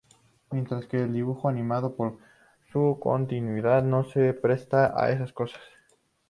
Mientras que el dibujo animado, por su continuidad, no se presta a estas cosas.